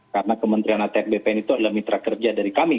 karena kementrian atr bpn itu adalah mitra kerja dari kami